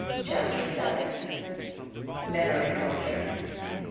CHAPTER VII. MEMORY CULTURE.